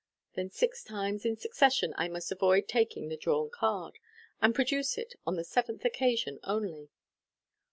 Then six times in succession I must avoid taking the drawn card, and produce it on the seventh occasion only.